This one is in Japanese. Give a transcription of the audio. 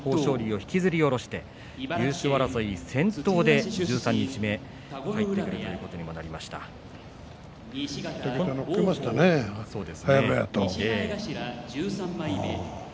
そして豊昇龍を引きずり下ろして優勝争いに先頭で十三日目に入ってくることに２桁への受けましたね